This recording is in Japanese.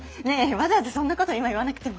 わざわざそんなこと今言わなくても。